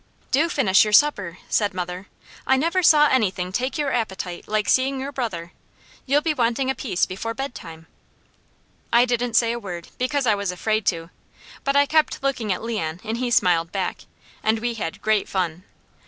"Do finish your supper," said mother. "I never saw anything take your appetite like seeing your brother. You'll be wanting a piece before bedtime." I didn't say a word, because I was afraid to, but I kept looking at Leon and he smiled back, and we had great fun.